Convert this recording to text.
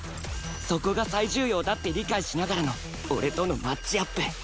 そこが最重要だって理解しながらの俺とのマッチアップ